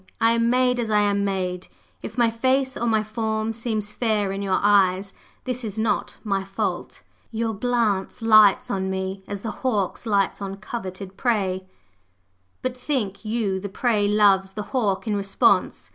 I am made as I am made; if my face or my form seems fair in your eyes, this is not my fault. Your glance lights on me, as the hawk's lights on coveted prey; but think you the prey loves the hawk in response?